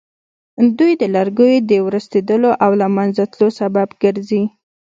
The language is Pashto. دوی د لرګیو د ورستېدلو او له منځه تلو سبب ګرځي.